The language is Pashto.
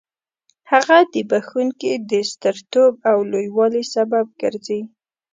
هغه د بخښونکي د سترتوب او لوی والي سبب ګرځي.